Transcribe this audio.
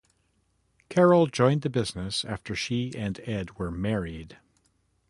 Carol joined the business after she and Ed were married.